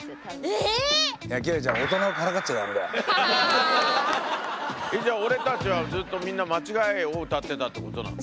えっじゃあ俺たちはずっとみんな間違いを歌ってたってことなの？